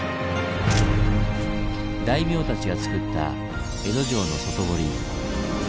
大名たちがつくった江戸城の外堀。